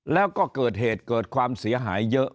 แล้วก็เกิดเหตุเกิดความเสียหายเยอะ